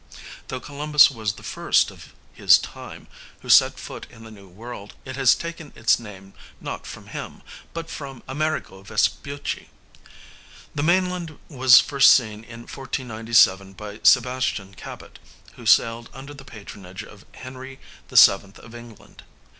Though Columbus was the first of his time who set foot in the New World, it has taken its name not from him, but from Amerigo Vespucci. The mainland was first seen in 1497 by Sebastian Cabot, who sailed under the patronage of Henry VII of England.